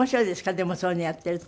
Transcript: でもそういうのをやっていると。